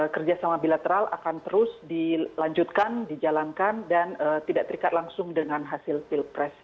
kerjasama bilateral akan terus dilanjutkan dijalankan dan tidak terikat langsung dengan hasil pilpres